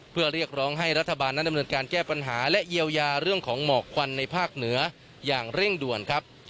เพื่อเรียกร้องให้รัฐบาลนั้นดำเนินการแก้ปัญหาและเยียวยาเรื่องของหมอกควันในภาคเหนืออย่างเร่งด่วนครับ